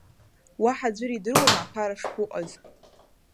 Уаҳа аӡәыр идыруама аԥара шԥуҟаз?